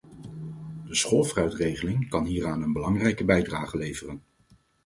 De schoolfruitregeling kan hieraan een belangrijke bijdrage leveren.